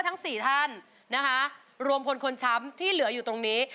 ทั้งสี่ท่านนะคะรวมพลคนช้ำที่เหลืออยู่ตรงนี้